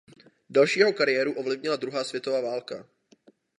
Další jeho kariéru ovlivnila druhá světová válka.